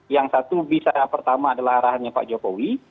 yang satu bisa pertama adalah arahannya pak jokowi